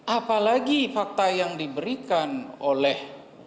apalagi fakta yang diberikan oleh